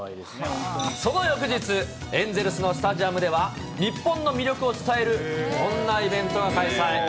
その翌日、エンゼルスのスタジアムでは、日本の魅力を伝えるこんなイベントが開催。